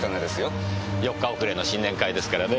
４日遅れの新年会ですからね。